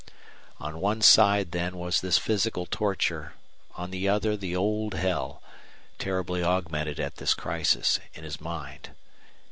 On one side, then, was this physical torture; on the other the old hell, terribly augmented at this crisis, in his mind.